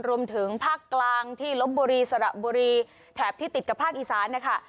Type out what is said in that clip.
รวมถึงภาคกลางที่ลบบุรีสระบุรีแถบที่ติดกับภาคอีสานนะคะ